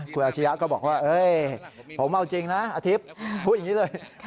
คุณอาชียะก็บอกว่าผมเอาจริงนะอาทิตย์พูดอย่างนี้เลย